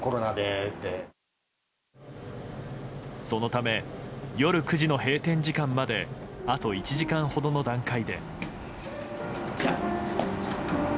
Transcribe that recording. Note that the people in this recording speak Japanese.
そのため夜９時の閉店時間まであと１時間ほどの段階で。